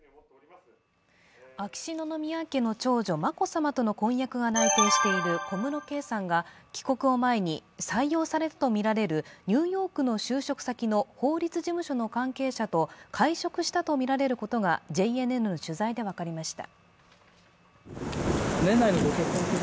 秋篠宮家の長女・眞子さまとの婚約が内定している小室圭さんが帰国を前に採用されるとみられるニューヨークの就職先の法律事務所の関係者と会食したとみられることがＪＮＮの取材で分かりました。